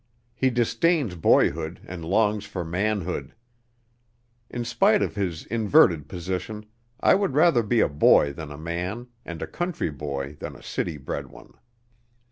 He disdains boyhood and longs for manhood. In spite of his inverted position I would rather be a boy than a man, and a country boy than a city bred one.